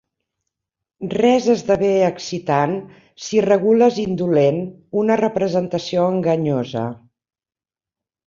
Res esdevé excitant si regules indolent una representació enganyosa.